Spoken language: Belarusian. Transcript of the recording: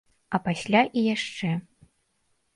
А пасля і яшчэ.